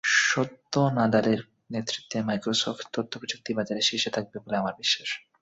সত্য নাদালের নেতৃত্বে মাইক্রোসফট তথ্যপ্রযুক্তি বাজারে শীর্ষে থাকবে বলে আমার বিশ্বাস।